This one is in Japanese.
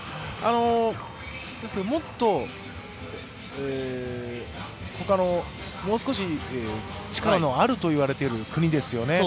もっと他のもう少し力のあるといわれている国ですよね。